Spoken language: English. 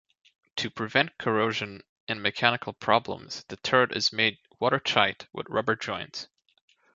To prevent corrosion and mechanical problems, the turret is made water-tight with rubber joints.